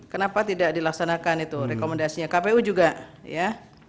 kenapa tidak dilaksanakan itu rekomendasinya kpu juga ya